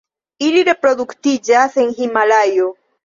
Ili reproduktiĝas en Himalajo.